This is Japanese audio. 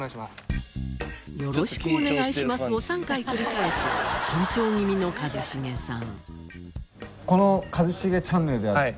「よろしくお願いします」を３回繰り返す緊張気味の一茂さん。